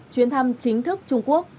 chuyến thăm chính thức trung quốc